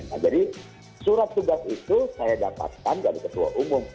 nah jadi surat tugas itu saya dapatkan dari ketua umum